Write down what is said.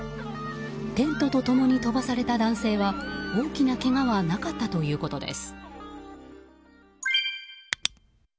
テントと共に飛ばされた男性は大きなけがはなかったということです。